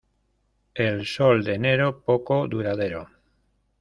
El sol de enero poco duradero.